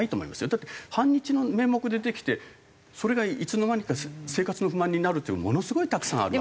だって反日の名目で出てきてそれがいつの間にか生活の不満になるっていうのはものすごいたくさんある。